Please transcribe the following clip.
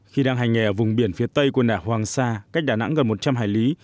khi đang hành nghề ở vùng biển phía tây quần đảo hoàng sa cách đà nẵng gần một trăm linh hải lý